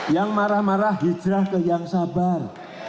yang marah marah hijrah ke yang sabar